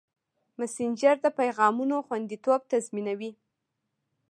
مسېنجر د پیغامونو خوندیتوب تضمینوي.